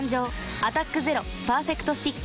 「アタックＺＥＲＯパーフェクトスティック」